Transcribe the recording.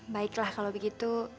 baiklah kalau begitu